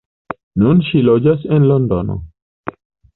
Nun ŝi loĝas en Londono.